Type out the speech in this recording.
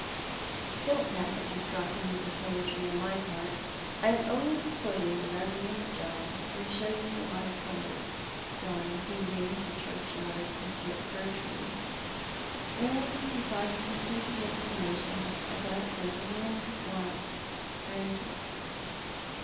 Don't laugh at this dropping into poetry on my part. I am only quoting the Eeverend John, who showed me a water colour drawing he bad made of the churchyard and fir trees, and con fided his sentimental notion about these wind warped branches.